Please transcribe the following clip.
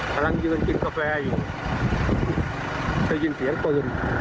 กำลังยืนจิบกาแฟอยู่ได้ยินเสียงปืน